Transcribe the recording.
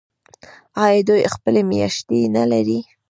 آیا دوی خپلې میاشتې نلري؟